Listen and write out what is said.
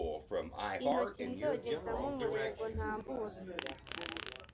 intoki nzongezamo umurego ntambutse,